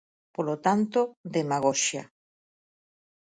Polo tanto, demagoxia.